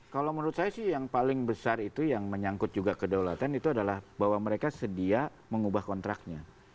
kalau menurut saya sih yang paling besar itu yang menyangkut juga kedaulatan itu adalah bahwa mereka sedia mengubah kontraknya